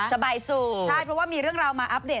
สบายสูงใช่เพราะว่ามีเรื่องราวมาอัปเดต